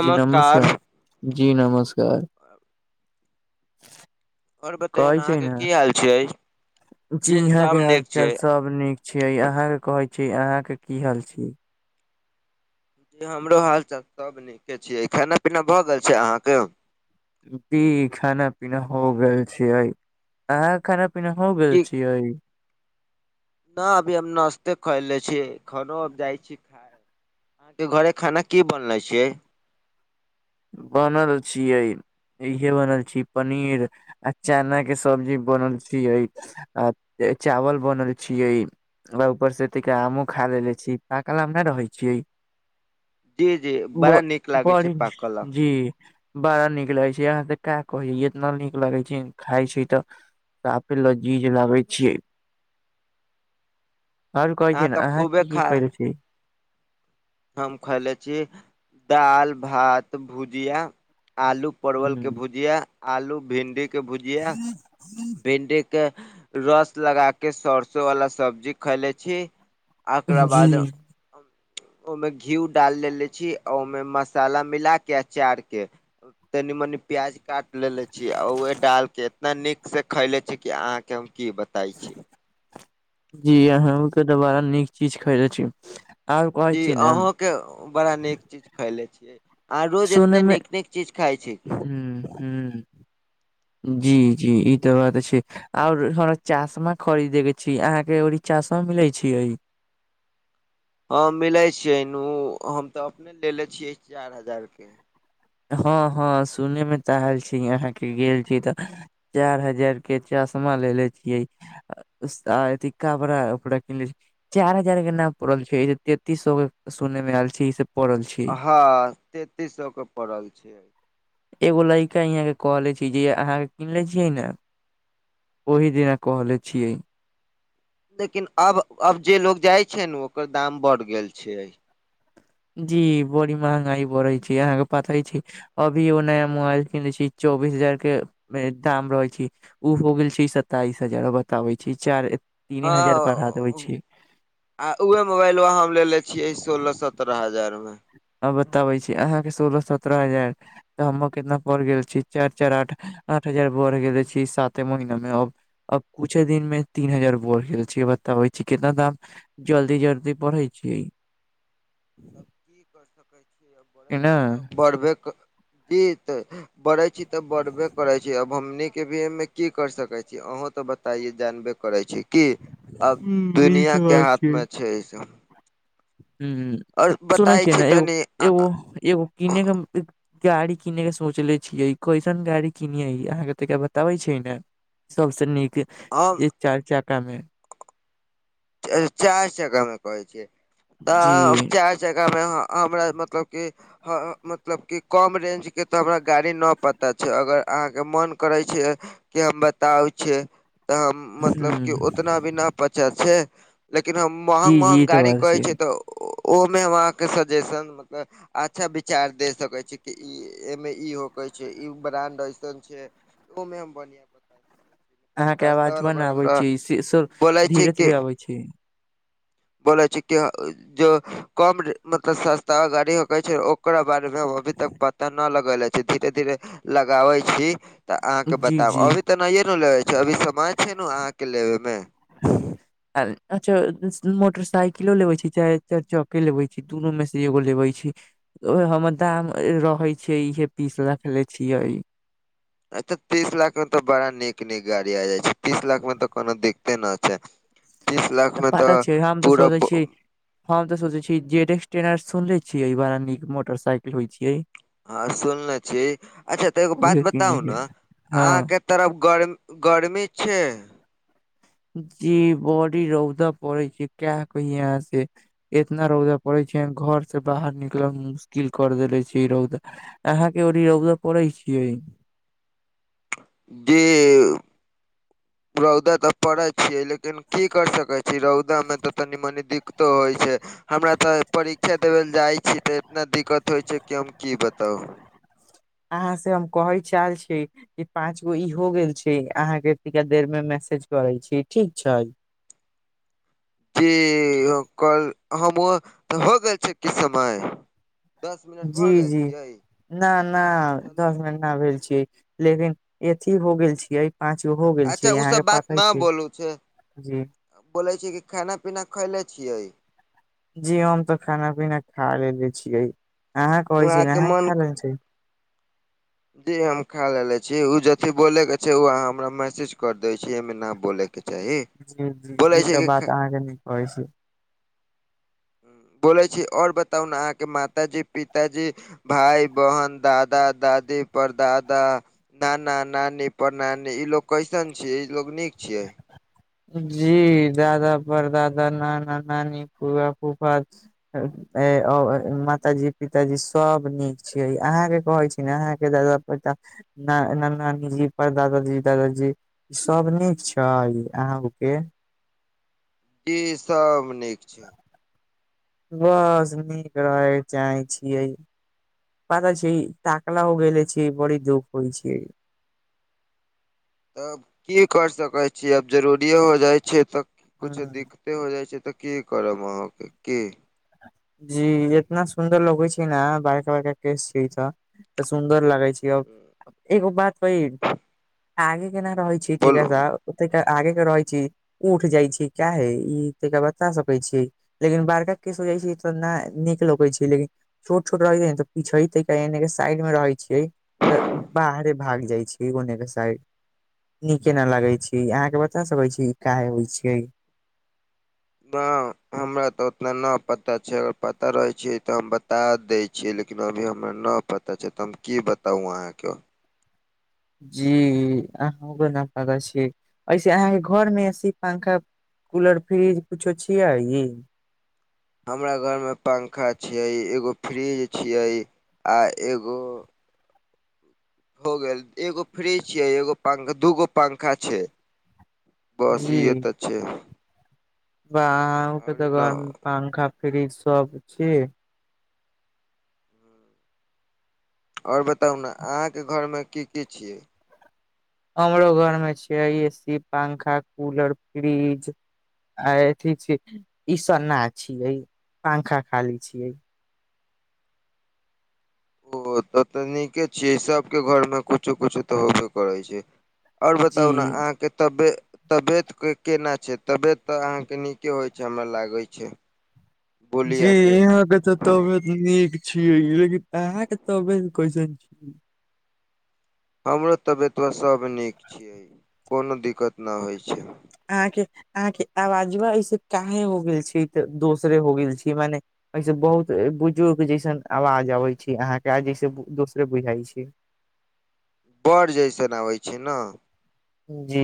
जी नमस्कार जी नमस्कार। आओर बतैयौ कहै छै अहाँके ने की हाल छियै जी यहाँ सभ के नीक छियै हालचाल सब नीक। छय अहाँ के कहे छीयै अहाँ के की हाल छी। हमरो हालचाल सब नीके छय खाना पीना भए गेल छै अहाँ के। जी खाना पीना भ गेल छैै अहाँ खाना पीना हो गेल छीयै। न अभी हम नाश्ते कइले छी खनो अब जाइ छी। आहाँ के घरे खाना की बनले छय। बनल छियै। इहे बनल छी पनीर आ चना के सब्जी बनल छी। आ चावल बनल छिये। ऊपर से त आमो खा लेे छी पाकल आम नय रहे छय। जी जी बड़ा नीक लागे बड़ी छै पाकल आम। जी बड़ा नीक लगै छै यहाँ त का कहै इतना नीक लगे छै खाय छी तऽ। तफे ल जीज लाबै छियै [unintelligible] आओर कह छी तऽ अहाँ खूबे की की खा कर छी [unintelligible] हम खायले छी दाल भात भुजिया आलू परवल के हूँ भुजिया आलू भिन्डी के भुजिया। भिंडी के रस लगा के सरसों वाला सब्जी खाइले छी। एकरा जी बाद। ओहिमे घीउ डाल लेले छी आ ओहिमे मसाला मिला के अचार के। तनी मनी प्याज काट लेले छी आ ओहे डाल के इतना निक। से खयले छी कि अहाँके हम की बताई छी। जी अहूके त बारा नीक चीज खयले छी। आओर कहै जी छी ने अहूके बड़ा नीक चीज खैले छियै। आँहा रोज सुने एतने नीक नीक चीज खाय छी कि। हं जी जी ई तऽ बात छै। और हमरा चाशमा खरीदे के छी अहाँ के ओड़ी चशमा मिले छीय। हँ मिलै छियै नू हम तऽ अपने लेलेे छियै चार हजार के। हँ हँ सुने मे त एल छी अहाँके गेल छी तऽ। चार हजार के चश्मा लेले छियै। आ अथी कापड़ा उपरा किनले छी। चार हजार के नाम पड़ल छै तेंतीस सौ के सुन मे आयल छै ई सब। पड़ल छै हँ तेंतीस सौ के पड़ल छै। एगो लड़का यहाँ कहले छी जे अहाँके किन ले छियै ने ओहि दिना। कहले छियै। लेकिन अब अब जे लोग जाय छै ने ओकर दाम बढ़ गेल छै। जी बड़ी महंगाई बढ़े छै अहाँके पताई छी। अभी ओ नया मोबाइल किने छी चौबीस हजार के दाम रहै छी। ऊ हो गेल छै सताइस हजार बताबै छै चार तीने हजार बढ़ा देबे हँ आ उहों मोबाइलवा हम लेले छियै सोल छी सत सत्रह हजार में आ बताबै छी आहाँके सोलह सत्रह हजार। तऽ हम कितना पढ़ गेल छी चैर- चैर आठ आठ हजार बढ़ गेले छी साते महिना में अब- अब कुछे दिन मे तीन हजार बड़ गेल छै बताबै छै कितना दाम जल्दी- जल्दी बढ़ै छियै। तब की करि सकैत छियै कि बढ़ै न छै तऽ बढ़बे [unintelligible] बढ़े छी तऽ बढ़बे करै छी अब हमनी केभी एयमे की कर सकै छी अहूं तऽ बता। पता जानबे करै छै कि अब ह ई दुनिया तऽ के हाथ में छै। हूँ आओर सुनै बताय छियै छी ने एगो- तनि एगो- एगो किनेके। गाड़ी किनेै के सोचले छियै कैसन गाड़ी किनियै अहाँके तऽ बताबै छियै ने। सब से नीक। अम। चैर चाका मे चै -चैर चक्का मे कहै छिय जी तऽ चैर जगह मे आहाँ हमरा मतलब की। हँ मतलब कि कम रेंजके तऽ हमरा गाड़ी नऽ पता छै अगर अहाँके मोन करै छै। के हम बताउ छै तऽ हम ह मतलब कि उतना भी न पचा छै। लेकिन हम जी महंग जी ई महंग तऽ गाड़ी बात कहै छै तऽ। ओमे मे हम अहाँके सजेशन मतलब अच्छा विचार दे सकै छी कि ई। एमे ई होके छै ई ब्रांड ऐसन छै ओमे हम बढ़िया बता सकै छै। आहाँ के आवाज वन आबै छै से सब बोलै धीरे -धीरे अबै छै। बोलाै छै कि जो। कम मतलब सस्ता गाड़ी हकै छै ओकरा बारे मे हम अभी तक पता न लगले छी धीरे -धीरे। लगाबै छी। तऽ अहाँके जी बताब जी अभी तऽ नहिये ने लेबे छै अभी समय छै ने अहाँ के लेबे मे। [unintelligible] अच्छा मोटरसाइकिलो लेवे छी चाहे चैर चके लेबे छी दुनू में से एगो लेवेैय छी। ओ हमर दाम रहे छिय इहे पीस रखले छियै। अ ते तीस लाख में तऽ बड़ा नीक- नीक गाड़ी आ जाय छै तीस लाख में तऽ कोनो दिक्कते नै छै। तीस लाख मे पता तऽ छै हम तऽ पूरा सोचै छि। हम तऽ सोचे छी जेड एक्स टेन आर सुनले छियै ई बड़ा नीक मोटरसाइकिल होय छियै। हँ सुनले छी अच्छा तऽ एगो बात उहे किने बताउ के ने हँ आहाँ के। तरफ गर -गर्मी छै। जी बड़ी रौदा पड़ै छै किये कहियै आहाँ से। इतना रौदा पड़ेै छै घर से बाहर निकल मे मुश्किल कर देेले छै ई रौद। आहाँ के ओनी रौदा परै छियै। जी। रौदा तऽ पड़ै छियै लेकिन की करि सकै छी रौदामे तऽ तनी -मनी दिक्कतो होय छै। हमरा तऽ परीक्षा देबै जाइ छी तऽ इतना दिक्कत होइ छै कि हम की बताउ। आहाँ से हम कहै चाहै छी। ई पाँच गो ई हो गेल छै आहाँ के एतिके देर में मैसेज करे छी ठीक छै। क ओ कल हम उह त भ गेल छै किछ समय दस मिनट भऽ जी गेल जी छियै न न तऽ चलू दस मिन न भेल छियै लेकिन अथी हो गेल छियै पाँच गो हो गेल अच्छा छै अहाँ ओसभ के बात पाटन नहि छी बोलू छै जी बोलै छै कि खाना पीना खैले छियै जी हम त खाना पीना खा लेलेे छियै अहा कहै छीय अहाँके अहा मन खा लेले छी जी हम खा लेे छी ओ जेथी बोले के छै ओ अहाँ हमरा मैसेज कर दै छी एहिमे न बोलेके चाही जी जी बोलै ई छै त कि खा बात अहाँ के नीक कहै छी बोले छी और बताउ न अहाँ के मातााजी पिताजी भाय बहन दादा दादी प्रदादा नना नानी प्रनानी इलोग कैसन छियै इलोग निक छियै जी दादा प्रदादा नाना नानी फुआ फूफा [unintelligible] ए ओ माताजी पिताजी सब निक छियै अहाँ के कहै छी ने अहाँ के दादा प्रदादा न न नानीजी प्रदादा जी दादाजी सब निक छै य आहम के इ सब निक छै बस निक रहै चाहै छियै पाता छै ताकला हो गैले छी बड़ी दुःख होइ छै तब की कर सकै छी आब जरूरिेए हो जाइ छै त कुछ दिक्क ह दिक्कते हो जाइछै त के करब अहाँ के के जी इतना सुन्दर लगै छिय ने बड़का बड़का केस छै त सुन्दर लगै छिय एगो बात कही आगे केना रहै छिए थिका बोलू सब ओतक आगे मे रहै छी उठ जाइ छै काहे इ त बता सकै छी लेकिन बारका केस हो जाइ छै त नै निक लगै छै लेकिन छोट छोट रहैत छै न पीछने के साइड मे रहै छै त बाहरे भागि जाइ छै ओने के साइड निके ने लागै छी अहा के बता सके छी इ काहे होय छै बाउ हमरा त उतना न पता छै अगर पता रहै छियै त हम बता दै छिए लेकिन अभी हमरा ना पता छै त हम की बताउ अहाँ के जी अहु न पता छी ऐसे अहाँ के घर मे एसी पंखा कुलर फ्रिज किछो छी आ इ हमरा घर मे पंखा छै एगो फ्रिज छिए आ एगो हो गेल एगो फ्रिज छिए एगो पंग दूगो पंखा छै बस इहे त छै ब अहु के और त न घर मे पंखा फ्रिज सब छी और बताउ ने अहाँ के घर में की की छियै हमरो घर में छियै एसी पंखा कुलर फ्रिज आय इथी छी इ स ना छियै पंखा खाली छियै ओ त त निके छियै सबके घर मे कुछो कुछो त होबे करै छै और जी बताउ न अहाँ के तबे तबियत के केना छै तबियत त अहाँ के निके होइ छै हमरा लागै छै जी बोलिया से इहा क त तबियत निक छियै लेकिन आह के तबियत कैसन छै हमरो तबियत युब्येत व सब निक छियै कोनो दिक्कत न होइ छै अहाँके - अहाँके आवाजवा ऐसे काहे हो गेल छै, तऽ दोसरे हो गेल छै, मने ऐसन बहुत बुजुर्ग जैसन आवाज अबै छै अहाँके आ जैसे दोसरे बुझाइ छै। [inaudible] बअड़ जैसन आबै छै न। जी।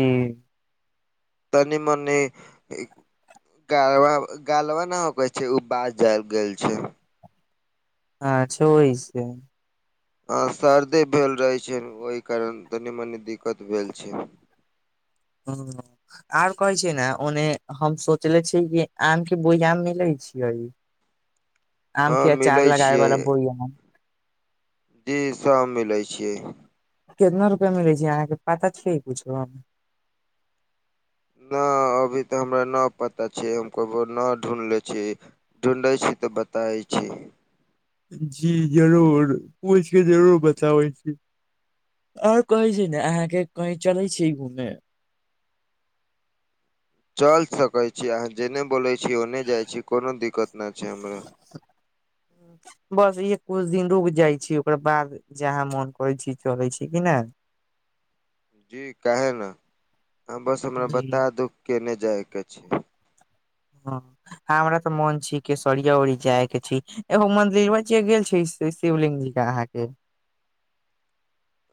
तनी मनी इ गालबा- गालबा न उगै छै उ बाज आबि गेल छै। हां छुइ से। ह सर्दे भेल रहै छै, ओहि कारण तनी- मनी दिक्कत भेल छै। [unintelligible] और कहै छीए ने ओहने हम सोचले छियै आम के बोइआम मिलै छियै। हँ आम के मिलै अचार लगावे छियै वाला बोइयाम। इ सब मिलै छियै। कितना रुपआ मिलै छै अहाँके पता छै कुछो। न अभी तऽ हमरा न पता छै हम कबो न ढूढ़ले छी। ढूँढ़ै छी तऽ बताय छी। जी जरूर पूइछके जरूर बताबै छी। और कहै छी ने अहाँके कही चले छी घूमे। चल सकै छी अहाँ जेने बोलै छी ओने जाइ छी कोनो दिक्कत न छै हमरा। बस इहेए कुछ दिन रुक जाइ छी ओकरा बाद। जहाँ मोन करै छी चलै छी किने। जी काहे न अहाँ बस हमरा जी बता दू केने जायके छै। ह आ हमरा तऽ मन छी केशरिया उरी जाय के छी, एहो मन्दिरबा चे गेल छी। से शिवलिंग जी अहाँके।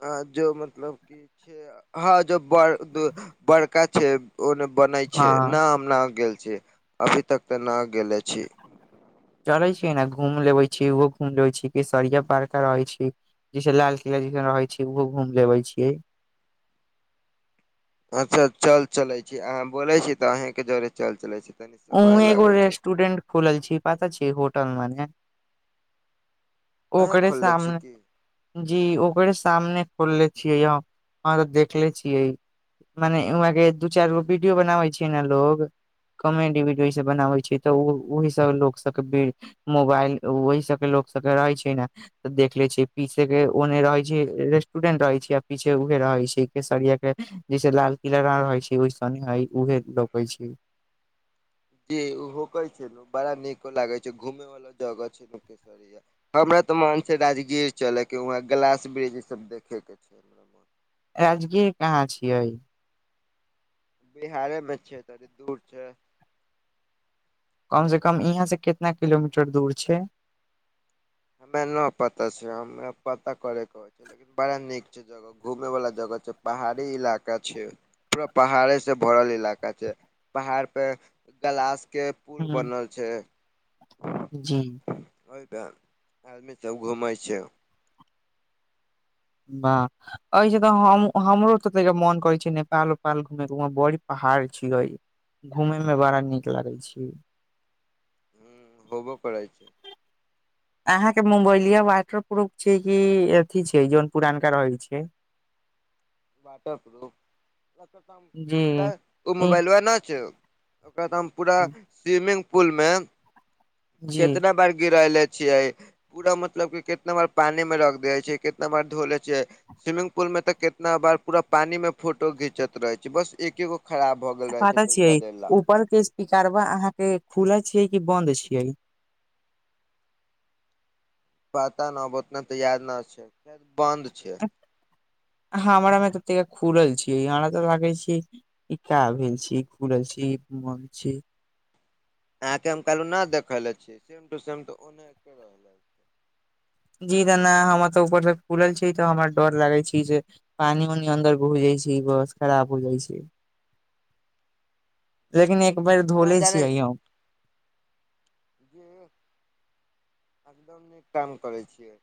ह जो मतलब कि छै हँ जो बड़ बड़का छै। ओने बनै छै हँ ना हम ना गेल छी अभी तक त ना गेले छी। चले छी न घूम लेबे छी, ओहो घूम लेबे छी केसरिया पारका रहे छी। किछो लाल किला जैसे रहै छै ओहो घूम लेबे छीयै। अच्छा चल चलै छी, अहाँ बोले छी तऽ अहींके जरे चल चलै छी। तनी ओहुँ समय एगो लागै छै रेस्टरेंट खोलल छी पता छै होटल माने। अहेँ ओकरे खोलले छी सामने। की जी ओकरे सामने खोलले छियै हम अहाँ तऽ देखले छियै। माने उहाँ के दू चैर गो वीडियो बनाबे छियै ने लोग। कमेडी वीडियो इ सब बनावे छैै, तऽ ओहि सब लोक सब के। मोबाइल ओहि सबके लोक सबके रहै छै ने। तऽ देखले छीय पीछे के ओने रहै छै रेस्टोरेंट रहै छै, आ पीछे उहे रहै छै केसरिया के। जैसे लाल किला ना रहै छै ओय सने है उहे रोपै छै। जी उहोकै छै ने बड़ा नीको लागे छै घूमे वला जगह छै न केस। हमरा तऽ मन छै राजगीर चलै के उहाँ ग्लास बृज इ सब देखे के छै। हमरा मन राजगीर कहाँ छियै? बिहारे में छै थोड़े दूर छै। कम से कम इहाँ से कितना किलोमीटर दूर छै। हमे न पता छै, हमरा पता करे के छै, लेकिन बड़ा नीक छै जगह। घूमे वला जगह छै पहाड़ी इलाका छै। पूरा पहाड़े से भरल इलाका छै, पहाड़ पे गलाश के। पुल ह बनल छै। [unintelligible] जी। [unintelligible] ओहिपे आदमी सब घुमै छै। [unintelligible] बाह। [unintelligible] एहि से तऽ हम हमरो तऽ तै के मोन करै छै नेपाल उपाल घूमेके उम्हर बड़ी पहाड़ छियै। [unintelligible] घूमे में बड़ा नीक लागै छी। [unintelligible] हूँ होबो करै छै। [unintelligible] अहाँ के मोबइलिया वाटर प्रूफ छै कि अथी छै जौन पुरानका रहै छै। वाटरप्रूफ जी ओ ई मोबाइबा नहि छो। [unintelligible] ओकरा तऽ हम पूरा स्विमिंग पुल मे जी कितना बार गिरैले छियै। [unintelligible] पूरा मतलब कि कितना बार पानिमे रख देबै छियै कितना बार धो लै छियै। [unintelligible] स्विमिंग पुल मेंऽ कितना बार पूरा पानी में फोटो घिंचत रहै छै बस एकेगो खराब। [unintelligible] छै पता छियै तैका देर ला ऊपर के स्पीकरबा अहाँ के खुलल छीयै कि बन्द छीयै। [unintelligible] पता न आब ओतना तऽ याद न छै बंद छै। [unintelligible] हमरा मे तऽ खुलल छीयै हमरा तऽ लागै छीयै। [unintelligible] इ का भेल छी खुलल छीयै कि बंद छीयै। [unintelligible] अहाँ के हम कहलु न देखल ले छीयै सेम टू सेम त ओना के रहले। [unintelligible] जी जना हमरा सब ऊपर स खुलल छियै तऽ हमरा डर लागै छि जे पानि ओनी अन्दर घूसि जाइ छै बस खराब हो जाइ छै लेकिन एक बेर न धोले जाने छियै ई हम काम करै छि [unintelligible]